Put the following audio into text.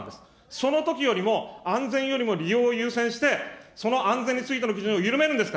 そのときよりも安全よりも利用を優先して、その安全についての基準を緩めるんですか。